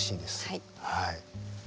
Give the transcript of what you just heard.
はい。